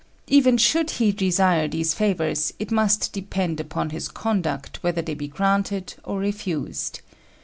Even should he desire these favours, it must depend upon his conduct whether they be granted or refused.